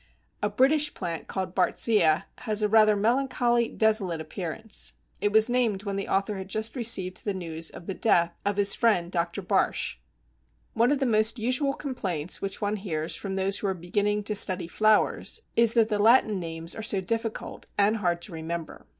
A British plant called Bartzia has a rather melancholy, desolate appearance. It was named when the author had just received the news of the death of his friend Dr. Bartsch. One of the most usual complaints which one hears from those who are beginning to study flowers is that the Latin names are so difficult and hard to remember.